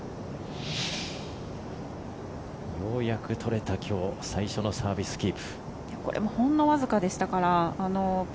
ようやく取れた今日最初のサービスキープ。